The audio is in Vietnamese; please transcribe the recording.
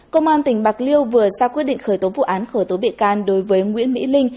công an tỉnh bạc liêu vừa ra quyết định khởi tố vụ án khởi tố bị can đối với nguyễn mỹ linh